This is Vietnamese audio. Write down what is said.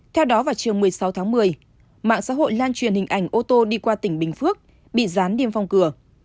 theo đó vào trường một mươi sáu tháng một mươi mạng xã hội lan truyền hình ảnh ô tô đi qua tỉnh bình phước bị dán niêm phong cửa